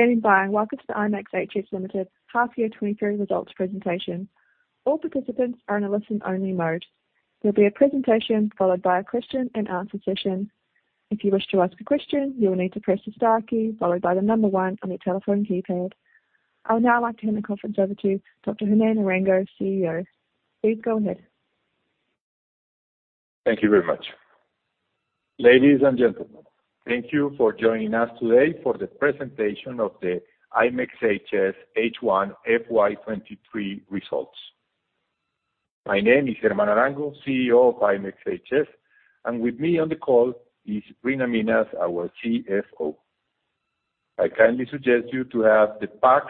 Thank you for standing by, and welcome to the ImExHS Limited Half Year 2023 Results Presentation. All participants are in a listen-only mode. There will be a presentation followed by a question-and-answer session. If you wish to ask a question, you will need to press the star key followed by the number one on your telephone keypad. I would now like to hand the conference over to Dr. Germán Arango, CEO. Please go ahead. Thank you very much. Ladies and gentlemen, thank you for joining us today for the presentation of the ImExHS H1 FY 2023 results. My name is Germán Arango, CEO of ImExHS, and with me on the call is Reena Minhas, our CFO. I kindly suggest you to have the pack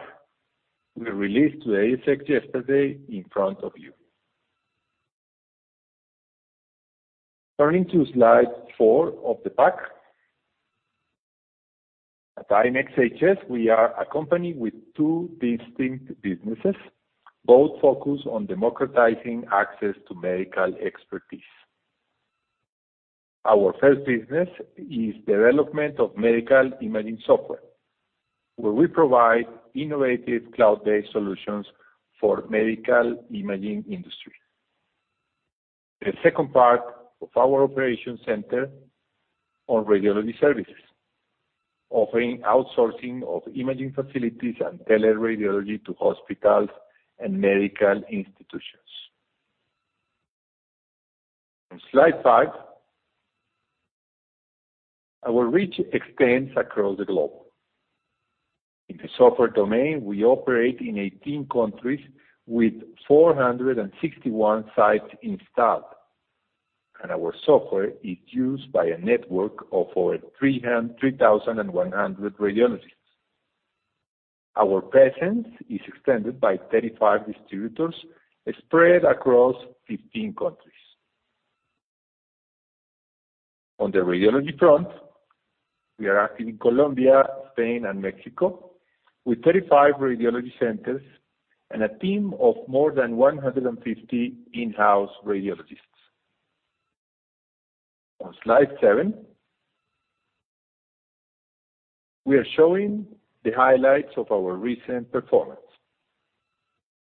we released to the ASX yesterday in front of you. Turning to Slide 4 of the pack. At ImExHS, we are a company with two distinct businesses, both focused on democratizing access to medical expertise. Our first business is development of medical imaging software, where we provide innovative cloud-based solutions for medical imaging industry. The second part of our operation center on radiology services, offering outsourcing of imaging facilities and teleradiology to hospitals and medical institutions. On Slide 5, our reach extends across the globe. In the software domain, we operate in 18 countries with 461 sites installed, and our software is used by a network of over 3,100 radiologists. Our presence is extended by 35 distributors spread across 15 countries. On the radiology front, we are active in Colombia, Spain, and Mexico, with 35 radiology centers and a team of more than 150 in-house radiologists. On Slide 7, we are showing the highlights of our recent performance.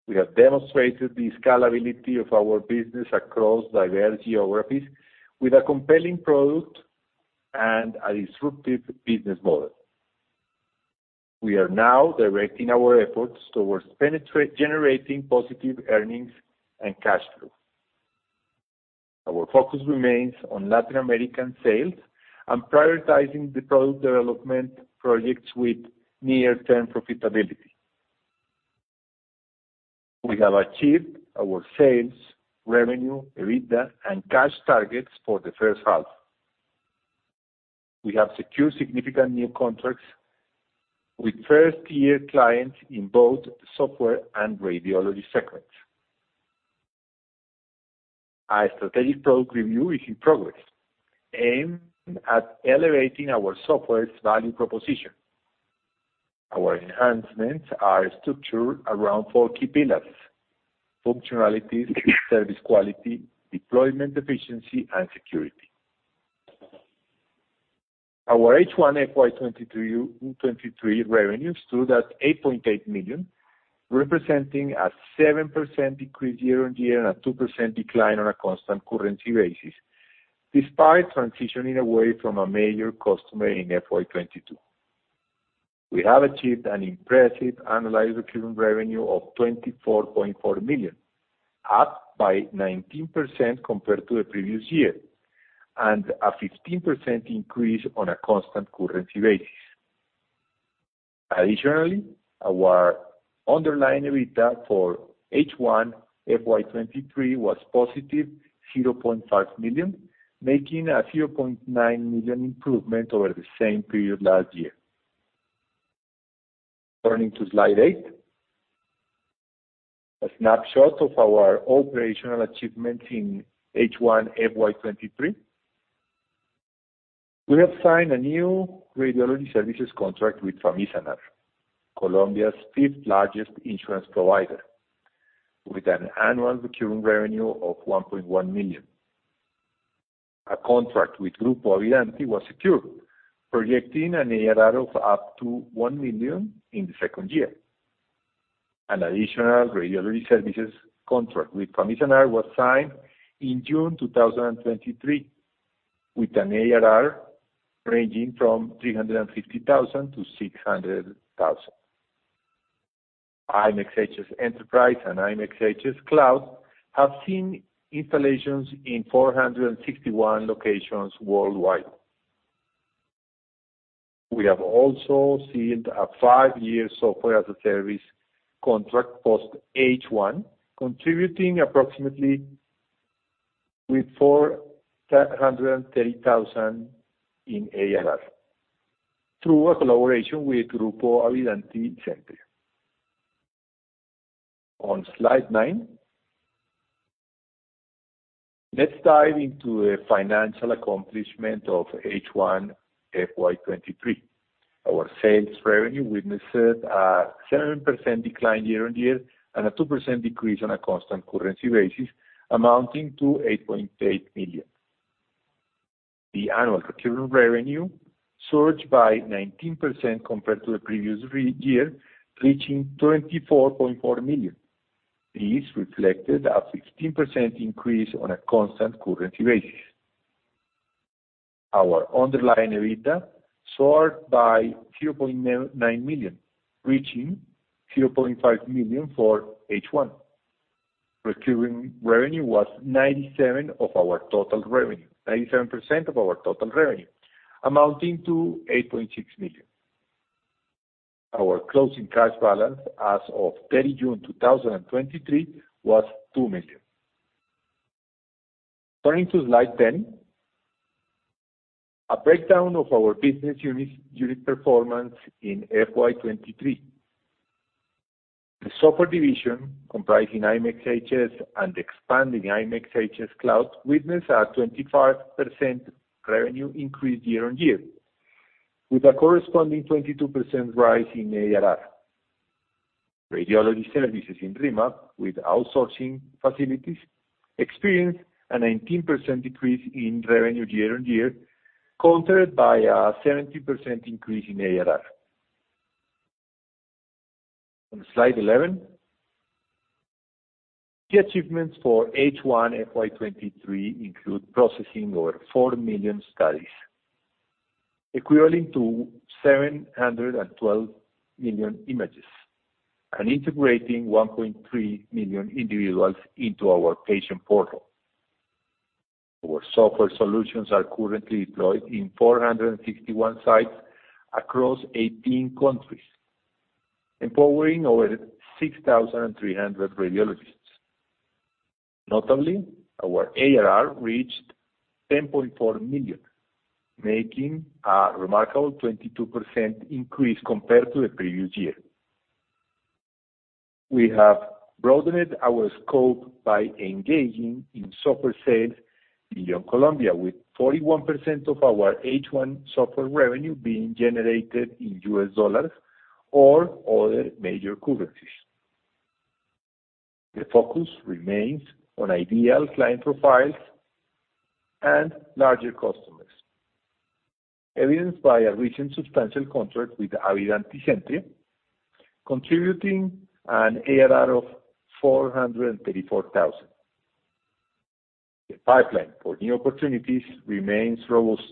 We have demonstrated the scalability of our business across diverse geographies with a compelling product and a disruptive business model. We are now directing our efforts towards generating positive earnings and cash flow. Our focus remains on Latin American sales and prioritizing the product development projects with near-term profitability. We have achieved our sales, revenue, EBITDA, and cash targets for the first half. We have secured significant new contracts with first-year clients in both software and radiology segments. Our strategic product review is in progress, aimed at elevating our software's value proposition. Our enhancements are structured around four key pillars: functionalities, service quality, deployment efficiency, and security. Our H1 FY 2022-2023 revenue stood at 8.8 million, representing a 7% decrease year-on-year and a 2% decline on a constant currency basis, despite transitioning away from a major customer in FY 2022. We have achieved an impressive annualized recurring revenue of 24.4 million, up by 19% compared to the previous year, and a 15% increase on a constant currency basis. Additionally, our underlying EBITDA for H1 FY 2023 was +0.5 million, making a 0.9 million improvement over the same period last year. Turning to Slide 8, a snapshot of our operational achievements in H1 FY 2023. We have signed a new radiology services contract with Famisanar, Colombia's fifth largest insurance provider, with an annual recurring revenue of 1.1 million. A contract with Grupo Avidanti was secured, projecting an ARR of up to 1 million in the second year. An additional radiology services contract with Famisanar was signed in June 2023, with an ARR ranging from 350,000-600,000. ImExHS Enterprise and ImExHS Cloud have seen installations in 461 locations worldwide. We have also sealed a five-year software as a service contract post H1, contributing approximately with 430,000 in ARR through a collaboration with Grupo Avidanti-Zentria. On Slide 9, let's dive into the financial accomplishment of H1 FY 2023. Our sales revenue witnessed a 7% decline year-on-year and a 2% decrease on a constant currency basis, amounting to 8.8 million. The annual recurring revenue surged by 19% compared to the previous year, reaching 24.4 million. This reflected a 16% increase on a constant currency basis. Our underlying EBITDA soared by 2.9 million, reaching 2.5 million for H1. Recurring revenue was 97% of our total revenue. 97% of our total revenue, amounting to 8.6 million. Our closing cash balance as of 30 June 2023 was 2 million. Turning to Slide 10, a breakdown of our business unit performance in FY 2023. The software division, comprising ImExHS and expanding ImExHS Cloud, witnessed a 25% revenue increase year-on-year, with a corresponding 22% rise in ARR. Radiology services in RIMAB, with outsourcing facilities, experienced a 19% decrease in revenue year-over-year, countered by a 17% increase in ARR. On Slide 11, the achievements for H1 FY 2023 include processing over four million studies, equivalent to 712 million images, and integrating 1.3 million individuals into our patient portal. Our software solutions are currently deployed in 461 sites across 18 countries, empowering over 6,300 radiologists. Notably, our ARR reached 10.4 million, making a remarkable 22% increase compared to the previous year. We have broadened our scope by engaging in software sales beyond Colombia, with 41% of our H1 software revenue being generated in U.S. dollars or other major currencies. The focus remains on ideal client profiles and larger customers, evidenced by a recent subscription contract with Grupo Avidanti, contributing an ARR of 434,000. The pipeline for new opportunities remains robust,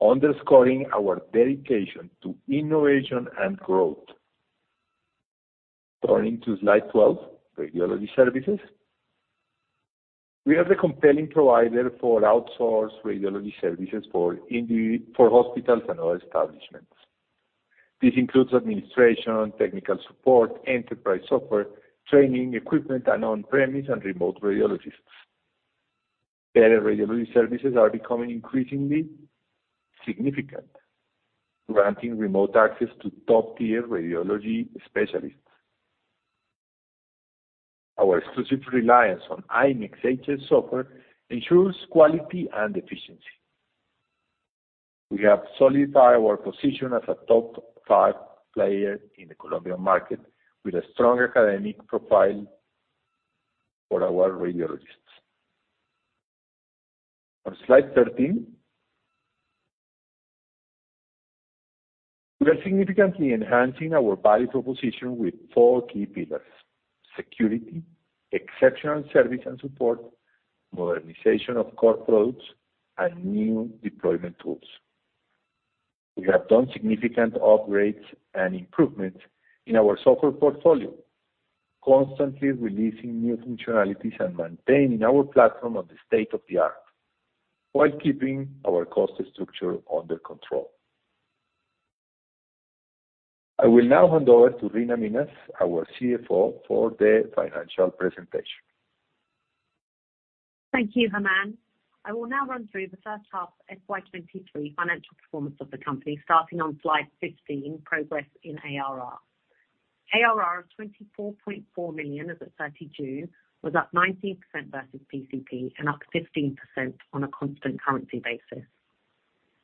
underscoring our dedication to innovation and growth. Turning to Slide 12, radiology services. We are the compelling provider for outsourced radiology services for for hospitals and other establishments. This includes administration, technical support, enterprise software, training, equipment, and on-premise and remote radiologists. Teleradiology services are becoming increasingly significant, granting remote access to top-tier radiology specialists. Our exclusive reliance on ImExHS software ensures quality and efficiency. We have solidified our position as a top five player in the Colombian market, with a strong academic profile for our radiologists. On Slide 13, we are significantly enhancing our value proposition with four key pillars: security, exceptional service and support, modernization of core products, and new deployment tools. We have done significant upgrades and improvements in our software portfolio, constantly releasing new functionalities and maintaining our platform on the state-of-the-art, while keeping our cost structure under control. I will now hand over to Reena Minhas, our CFO, for the financial presentation. Thank you, Germán. I will now run through the first half of FY 2023 financial performance of the company, starting on Slide 15, progress in ARR. ARR of 24.4 million as at 30 June, was up 19% versus PCP and up 15% on a constant currency basis.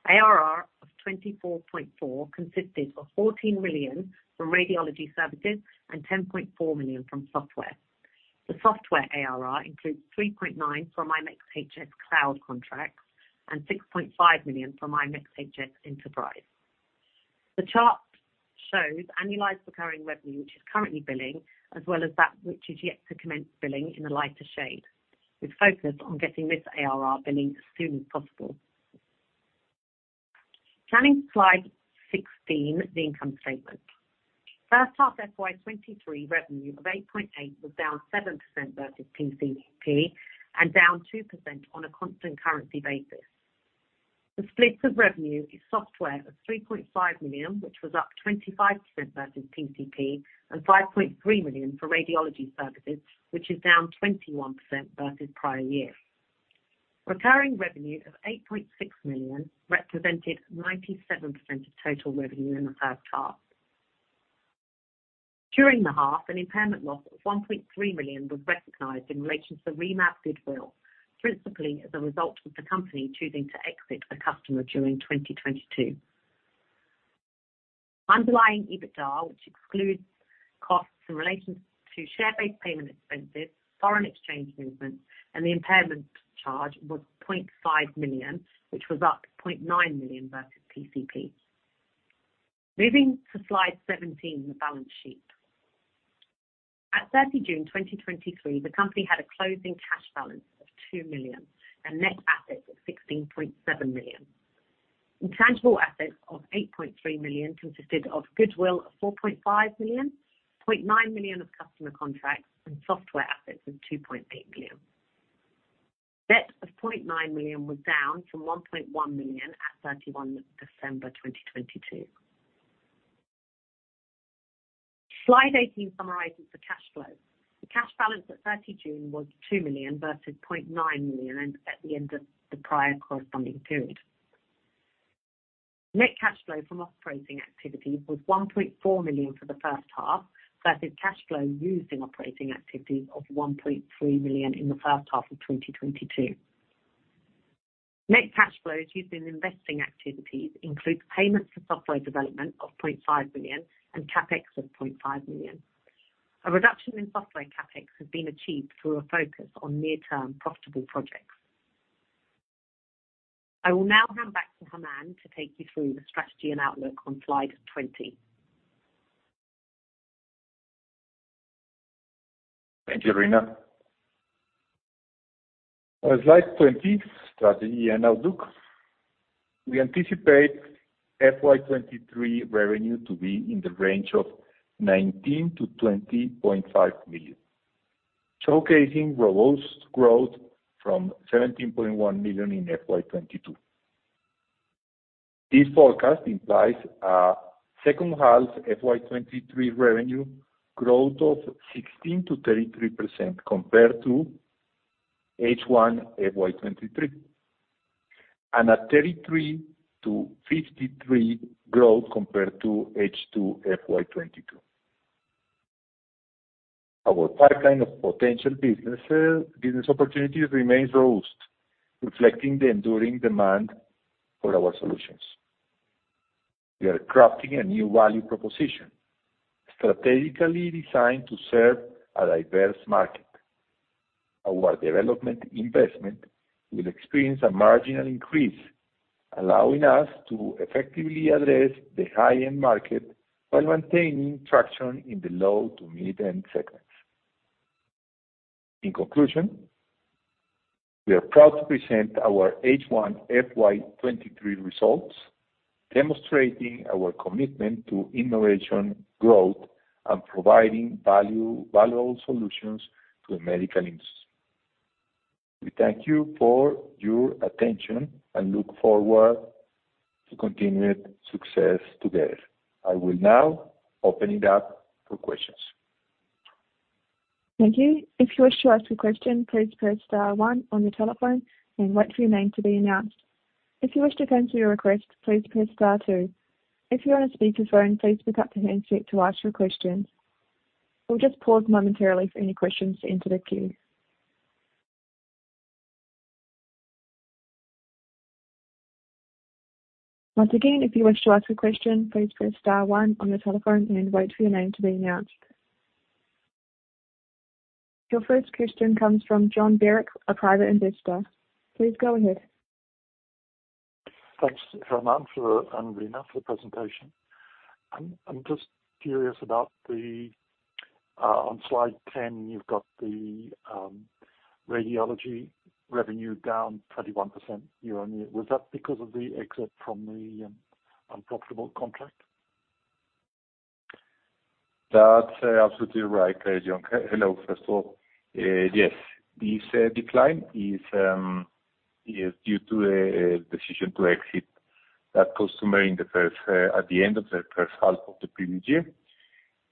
ARR of 24.4 million consisted of 14 million from radiology services and 10.4 million from software. The software ARR includes 3.9 million from ImExHS Cloud contracts and 6.5 million from ImExHS Enterprise. The chart shows annualized recurring revenue, which is currently billing, as well as that which is yet to commence billing in a lighter shade. We've focused on getting this ARR billing as soon as possible. Turning to Slide 16, the income statement. H1 FY 2023 revenue of 8.8 million was down 7% versus PCP, and down 2% on a constant currency basis. The split of revenue is software of 3.5 million, which was up 25% versus PCP, and 5.3 million for radiology services, which is down 21% versus prior year. Recurring revenue of 8.6 million represented 97% of total revenue in the first half. During the half, an impairment loss of 1.3 million was recognized in relation to the RIMAB goodwill, principally as a result of the company choosing to exit a customer during 2022. Underlying EBITDA, which excludes costs in relation to share-based payment expenses, foreign exchange movements, and the impairment charge was 0.5 million, which was up 0.9 million versus PCP. Moving to Slide 17, the balance sheet. At 30 June 2023, the company had a closing cash balance of 2 million and net assets of 16.7 million. Intangible assets of 8.3 million consisted of goodwill of 4.5 million, 0.9 million of customer contracts, and software assets of 2.8 million. Debt of 0.9 million was down from 1.1 million at 31 December 2022. Slide 18 summarizes the cash flow. The cash balance at 30 June was 2 million versus 0.9 million at the end of the prior corresponding period. Net cash flow from operating activity was 1.4 million for the first half, versus cash flow used in operating activities of 1.3 million in the first half of 2022. Net cash flows used in investing activities include payments for software development of 0.5 million and CapEx of 0.5 million. A reduction in software CapEx has been achieved through a focus on near-term profitable projects. I will now hand back to Germán to take you through the strategy and outlook on Slide 20. Thank you, Reena. On Slide 20, strategy and outlook. We anticipate FY 2023 revenue to be in the range of 19 million-20.5 million, showcasing robust growth from 17.1 million in FY 2022. This forecast implies a second half FY 2023 revenue growth of 16%-33% compared to H1 FY 2023, and a 33%-53% growth compared to H2 FY 2022. Our pipeline of potential businesses, business opportunities remains robust, reflecting the enduring demand for our solutions. We are crafting a new value proposition, strategically designed to serve a diverse market. Our development investment will experience a marginal increase, allowing us to effectively address the high-end market while maintaining traction in the low to mid-end segments. In conclusion, we are proud to present our H1 FY 2023 results, demonstrating our commitment to innovation, growth, and providing valuable solutions to the medical industry. We thank you for your attention and look forward to continued success together. I will now open it up for questions. Thank you. If you wish to ask a question, please press star one on your telephone and wait for your name to be announced. If you wish to cancel your request, please press star two. If you're on a speakerphone, please pick up the handset to ask your questions. We'll just pause momentarily for any questions to enter the queue. Once again, if you wish to ask a question, please press star one on your telephone and wait for your name to be announced. Your first question comes from John Derrick, a private investor. Please go ahead. Thanks, Germán and Reena, for the presentation. I'm just curious about the on Slide 10, you've got the radiology revenue down 31% year-over-year. Was that because of the exit from the unprofitable contract? That's absolutely right, John. Hello, first of all. Yes, this decline is due to a decision to exit that customer in the first half, at the end of the first half of the previous year.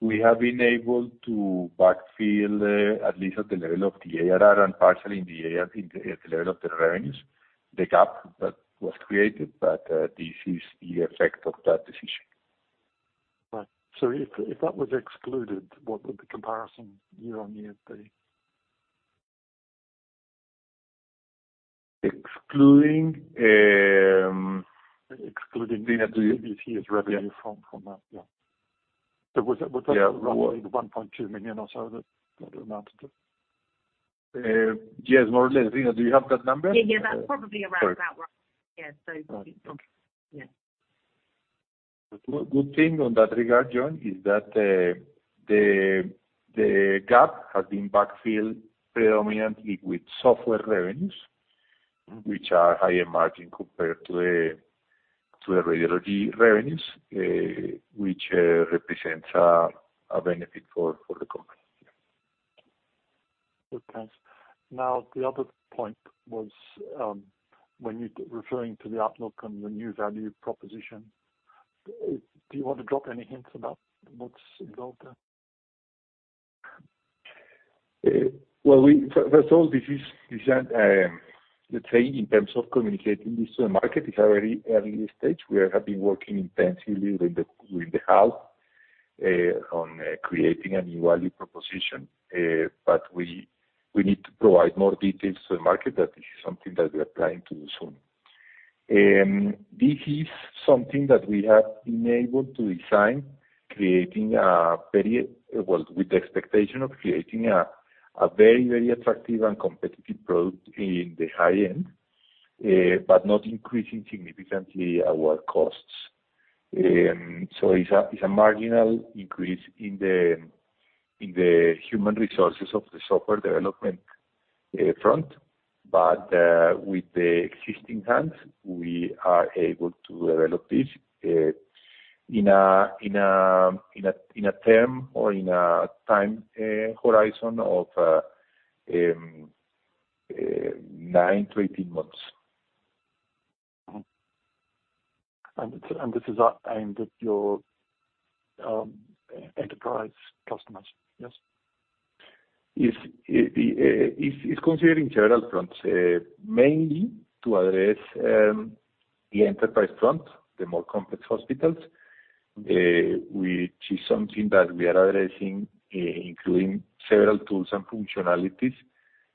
We have been able to backfill at least at the level of the ARR and partially in the ARR, at the level of the revenues, the gap that was created, but this is the effect of that decision. Right. So if that was excluded, what would the comparison year-on-year be? Excluding, um. Excluding the revenue from that, yeah. So was that. Yeah. Around the 1.2 million or so that that amounted to? Yes, more or less. Reena, do you have that number? Yeah, yeah, that's probably around that one. Yeah, so. Right. Okay. Yeah. The good thing on that regard, John, is that, the gap has been backfilled predominantly with software revenues, which are higher margin compared to the radiology revenues, which represents a benefit for the company. Good. Thanks. Now, the other point was, when you're referring to the outlook and the new value proposition, do you want to drop any hints about what's involved there? Well, first of all, this is, let's say, in terms of communicating this to the market, it's a very early stage. We have been working intensively creating a new value proposition. But we need to provide more details to the market that this is something that we are planning to do soon. This is something that we have been able to design, creating a very, well, with the expectation of creating a very, very attractive and competitive product in the high end, but not increasing significantly our costs. So it's a marginal increase in the human resources of the software development front, but with the existing hands, we are able to develop this in a term or in a time horizon of nine to 18 months. And this is aimed at your Enterprise customers, yes? It's considering general fronts, mainly to address the enterprise front, the more complex hospitals, which is something that we are addressing, including several tools and functionalities,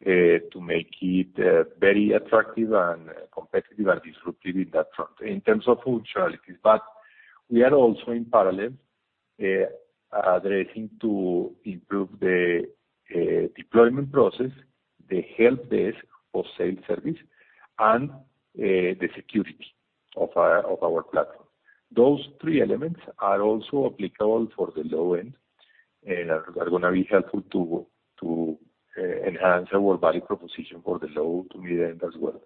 to make it very attractive and competitive and disruptive in that front in terms of functionalities. But we are also in parallel addressing to improve the deployment process, the help desk for sales service, and the security of our platform. Those three elements are also applicable for the low end, and are gonna be helpful to enhance our value proposition for the low to mid end as well.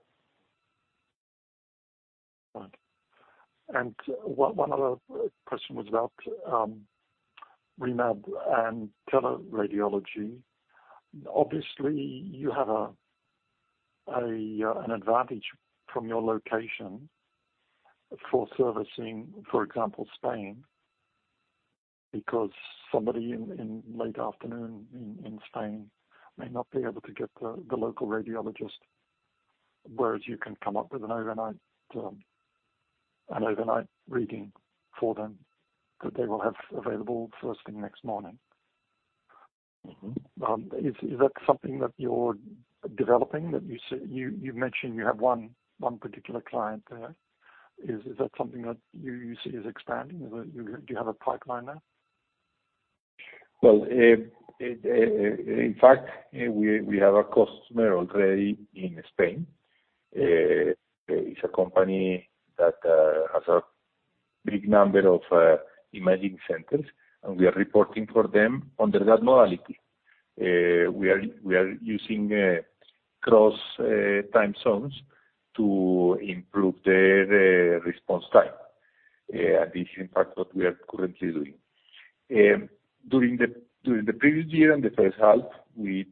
Right. And one other question was about RIMAB and teleradiology. Obviously, you have an advantage from your location for servicing, for example, Spain, because somebody in late afternoon in Spain may not be able to get the local radiologist, whereas you can come up with an overnight reading for them that they will have available first thing next morning. Mm-hmm. Is that something that you're developing, that you mentioned you have one particular client there? Is that something that you see as expanding? Is that, do you have a pipeline now? Well, in fact, we have a customer already in Spain. It's a company that has a big number of imaging centers, and we are reporting for them under that modality. We are using cross time zones to improve the response time. This is in fact what we are currently doing. During the previous year and the first half, we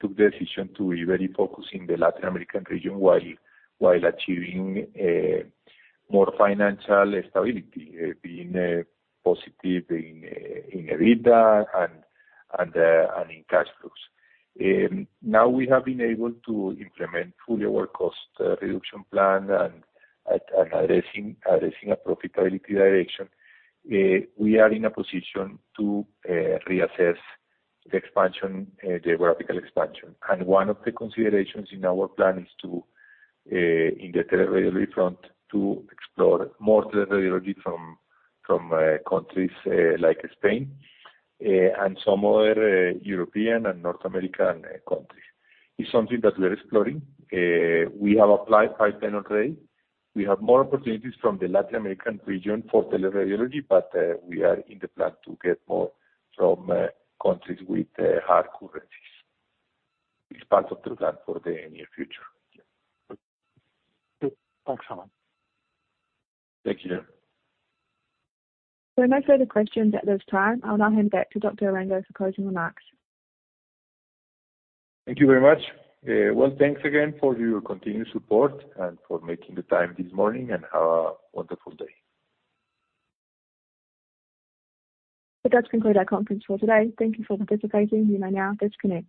took the decision to be very focused in the Latin American region, while achieving more financial stability, being positive in EBITDA and in cash flows. Now we have been able to implement fully our cost reduction plan and addressing a profitability direction. We are in a position to reassess the expansion, the geographical expansion. One of the considerations in our plan is to, in the teleradiology front, to explore more teleradiology from countries like Spain and some other European and North American countries. It's something that we are exploring. We have a pipeline already. We have more opportunities from the Latin American region for teleradiology, but we are planning to get more from countries with hard currencies. It's part of the plan for the near future. Good. Thanks a lot. Thank you. There are no further questions at this time. I'll now hand back to Dr. Arango for closing remarks. Thank you very much. Well, thanks again for your continued support and for making the time this morning, and have a wonderful day. That concludes our conference call today. Thank you for participating. You may now disconnect.